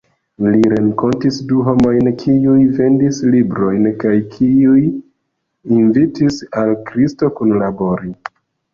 Li renkontis du homojn, kiuj vendis librojn, kaj kiuj invitis al Kristo kunlabori.